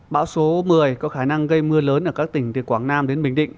bão số một mươi có khả năng gây mưa lớn ở các tỉnh từ quảng nam đến bình định